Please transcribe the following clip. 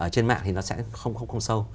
trên mạng thì nó sẽ không sâu